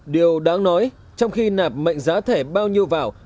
điều đáng nói trong khi nạp mệnh giá thẻ bao nhiêu vào